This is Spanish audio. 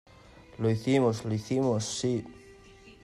¡ Lo hicimos! ¡ lo hicimos !¡ sí !